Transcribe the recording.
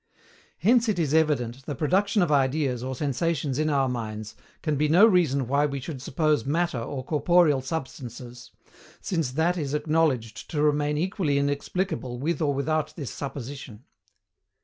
Hence it is evident the production of ideas or sensations in our minds can be no reason why we should suppose Matter or corporeal substances, SINCE THAT IS ACKNOWLEDGED TO REMAIN EQUALLY INEXPLICABLE WITH OR WITHOUT THIS SUPPOSITION.